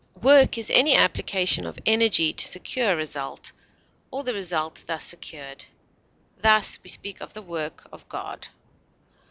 Work is any application of energy to secure a result, or the result thus secured; thus, we speak of the work of God.